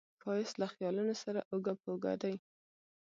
ښایست له خیالونو سره اوږه په اوږه دی